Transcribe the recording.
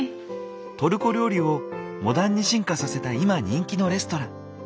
トルコ料理をモダンに進化させた今人気のレストラン。